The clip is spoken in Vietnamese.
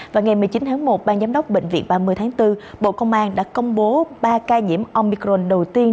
và ngày một mươi chín tháng một ban giám đốc bệnh viện ba mươi tháng bốn bộ công an đã công bố ba ca nhiễm omicron đầu tiên